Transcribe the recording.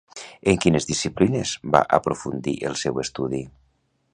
En quines disciplines va aprofundir el seu estudi?